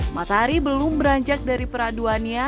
matahari belum beranjak dari peraduannya